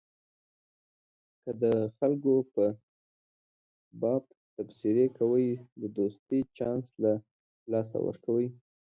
که ته د خلکو په باب تبصرې کوې د دوستۍ چانس له لاسه ورکوې.